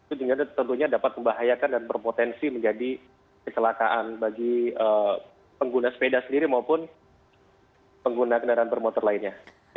itu tentunya dapat membahayakan dan berpotensi menjadi kecelakaan bagi pengguna sepeda sendiri maupun pengguna kendaraan bermotor lainnya